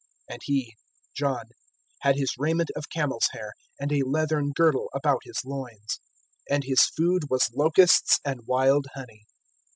(4)And he, John, had his raiment of camel's hair, and a leathern girdle about his loins; and his food was locusts and wild honey.